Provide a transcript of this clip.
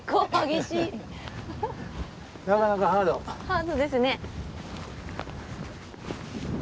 ハードですね。